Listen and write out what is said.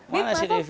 mana sih tv